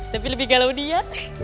tapi lebih galau dia